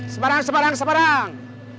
sebarang sebarang sebarang